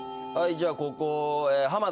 じゃあここ。